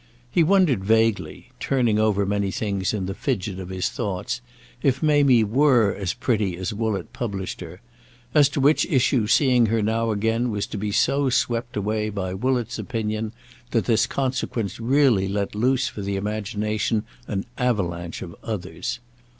He had wondered vaguely—turning over many things in the fidget of his thoughts—if Mamie were as pretty as Woollett published her; as to which issue seeing her now again was to be so swept away by Woollett's opinion that this consequence really let loose for the imagination an avalanche of others.